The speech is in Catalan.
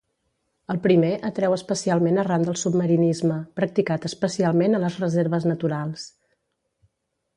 El primer atreu especialment arran del submarinisme, practicat especialment a les reserves naturals.